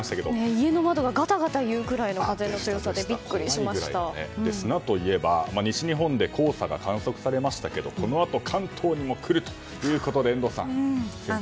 家の窓がガタガタいうくらいの風の強さで砂といえば、西日本で黄砂が観測されましたがこのあと関東にも来るということで遠藤さん。